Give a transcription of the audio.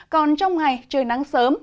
còn trong ngày trời nắng sớm